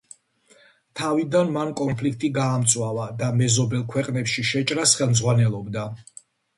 თავიდან მან კონფლიქტი გაამწვავა და მეზობელ ქვეყნებში შეჭრას ხელმძღვანელობდა.